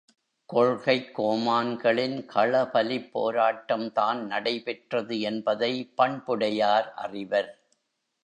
கொள்கைக் கோமான்களின் களபலிப் போராட்டம் தான் நடைபெற்றது என்பதை பண்புடையார் அறிவர்!